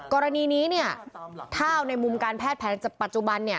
กรณีนี้เนี่ยถ้าเอาในมุมการแพทย์แผนปัจจุบันเนี่ย